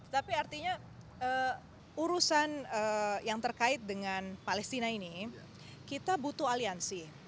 tapi artinya urusan yang terkait dengan palestina ini kita butuh aliansi